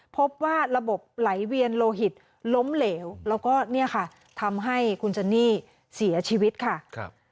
พบว่าระบบไหลเวียนโลหิตล้มเหลวแล้วก็เนี่ยค่ะทำให้คุณเจนนี่เสียชีวิตค่ะ